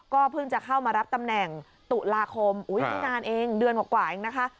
เพิ่งจะเข้ามารับตำแหน่งตุลาคมไม่นานเองเดือนกว่าเองนะคะ